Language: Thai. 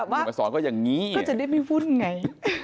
ไม่ได้แช่งไงแต่แบบว่าก็จะได้มีวุ่นไง